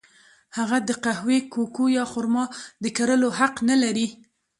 هغه د قهوې، کوکو یا خرما د کرلو حق نه لري.